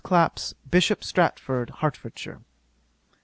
CLAPP'S, BISHOP STORTFORD, HERTFORDSHIRE.